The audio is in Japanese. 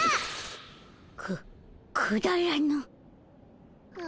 くくだらぬ。